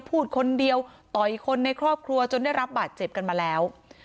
พูดคนเดียวต่อยคนในครอบครัวจนได้รับบาดเจ็บกันมาแล้ว